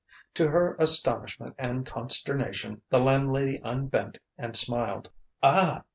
To her astonishment and consternation, the landlady unbent and smiled. "Ah!"